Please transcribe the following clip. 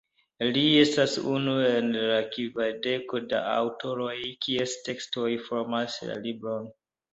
Li estas unu el la kvardeko da aŭtoroj, kies tekstoj formas la libron.